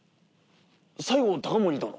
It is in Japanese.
西郷隆盛殿。